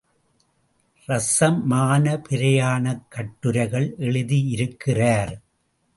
ரஸமான பிரயாணக் கட்டுரைகள் எழுதியிருக்கிறார்.